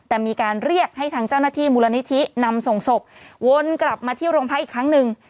แต่มีการเรียกให้ทางเจ้าหน้าที่มูลนิธินำส่งศพวนกลับมาที่โรงพักอีกครั้งหนึ่ง